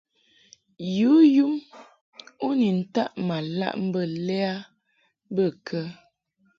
Yǔ yum u ni taʼ ma laʼ mbə lɛ a bə kə ɛ ?